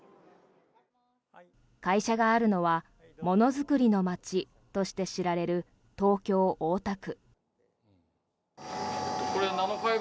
会社があるのは「ものづくりのまち」として知られる東京・大田区。